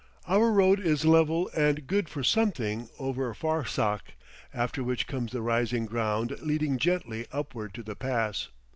Our road is level and good for something over a farsakh, after which comes the rising ground leading gently upward to the pass.